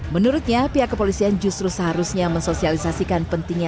menurutnya pihak kepolisian justru seharusnya mensosialisasikan pentingnya